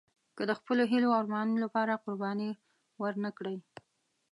که د خپلو هیلو او ارمانونو لپاره قرباني ورنه کړئ.